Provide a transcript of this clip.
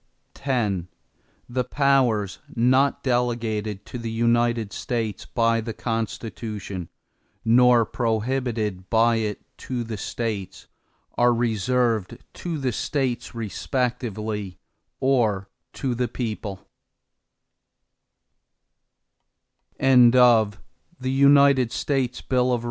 X The powers not delegated to the United States by the Constitution, nor prohibited by it to the States, are reserved to the States respectively, or to the people.